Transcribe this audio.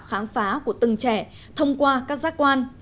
khám phá của từng trẻ thông qua các giác quan